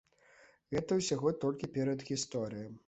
Гэта ўсяго толькі перадгісторыя.